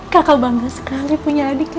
karena kamu bangga sekali punya adiknya kamu